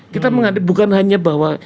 kita bukan hanya bahwa